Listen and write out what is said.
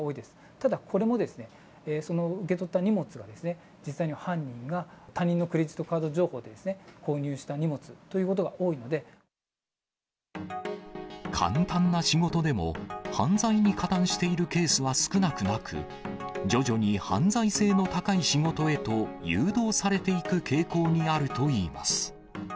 ただ、これもその受け取った荷物が、実際に犯人が他人のクレジットカード情報で購入した荷物というこ簡単な仕事でも、犯罪に加担しているケースは少なくなく、徐々に犯罪性の高い仕事へと誘導されていく傾向にあるといいます。